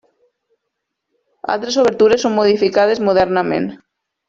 Altres obertures són modificades modernament.